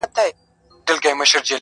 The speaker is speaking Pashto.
چي په غېږ کي مي صنم دی